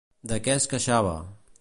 De què es queixava?